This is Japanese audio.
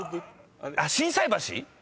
「心斎橋」？